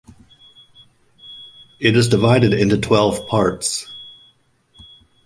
It is divided into twelve parts.